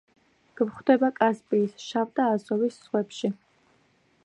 გვხვდება კასპიის, შავ და აზოვის ზღვებში.